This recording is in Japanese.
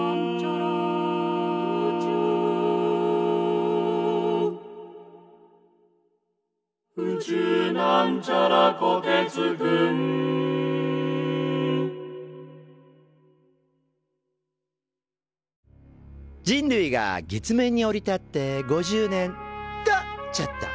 「宇宙」人類が月面に降り立って５０年。とちょっと。